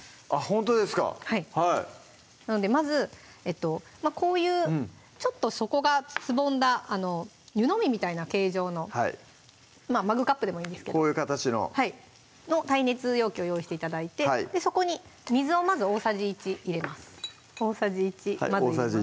ほんとですかなのでまずこういうちょっと底がすぼんだ湯飲みみたいな形状のマグカップでもいいんですけどこういう形の耐熱容器を用意して頂いてそこに水をまず大さじ１入れます大さじ１まず入れます